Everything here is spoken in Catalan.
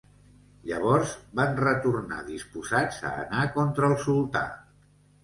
Llavors van retornar disposats a anar contra el sultà.